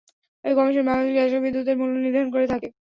এই কমিশন বাংলাদেশে গ্যাস ও বিদ্যুতের মূল্য নির্ধারণ করে থাকে।